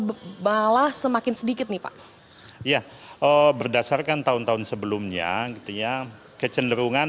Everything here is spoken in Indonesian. bebalah semakin sedikit nih pak ya berdasarkan tahun tahun sebelumnya gitu ya kecenderungan